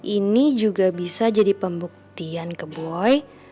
ini juga bisa jadi pembuktian ke boy